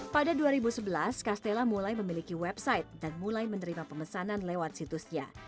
pada dua ribu sebelas castella mulai memiliki website dan mulai menerima pemesanan lewat situsnya